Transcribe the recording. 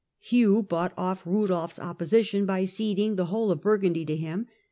Hugh bought off Kudolf's opposition by ceding the whole of Burgundy to him.